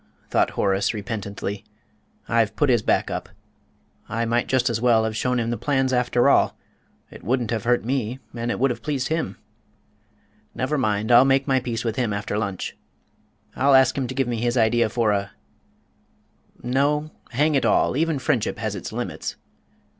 thought Horace, repentantly, "I've put his back up. I might just as well have shown him the plans, after all; it wouldn't have hurt me and it would have pleased him. Never mind, I'll make my peace with him after lunch. I'll ask him to give me his idea for a no, hang it all, even friendship has its limits!"